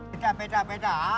beda beda beda asik beda telur ayo